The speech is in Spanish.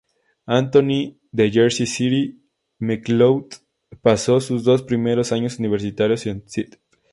Anthony de Jersey City, McLeod pasó sus dos primeros años universitarios en St.